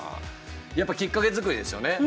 やっぱきっかけ作りですよね。